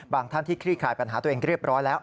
ท่านที่คลี่คลายปัญหาตัวเองเรียบร้อยแล้ว